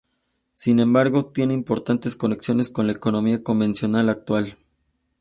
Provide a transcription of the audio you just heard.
Sin embargo, tiene importantes conexiones con la economía convencional actual.